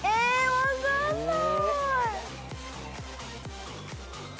分かんない！